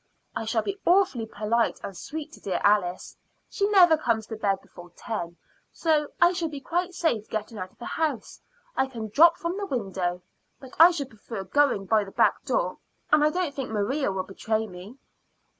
I shall be awfully polite and sweet to dear Alice. She never comes to bed before ten, so I shall be quite safe getting out of the house. I can drop from the window, but I should prefer going by the back door; and I don't think Maria will betray me."